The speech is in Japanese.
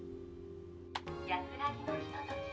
安らぎのひととき